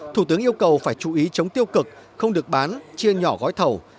thủ tướng yêu cầu phải chú ý chống tiêu cực không được bán chia nhỏ gói thầu